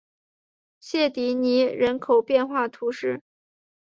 谢迪尼人口变化图示